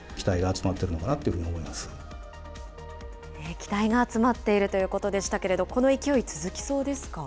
期待が集まっているということでしたけれども、この勢い、続きそうですか。